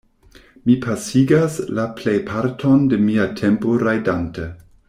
Mi pasigas la plejparton de mia tempo rajdante.